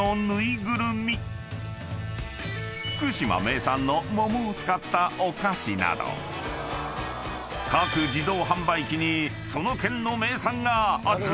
［福島名産の桃を使ったお菓子など各自動販売機にその］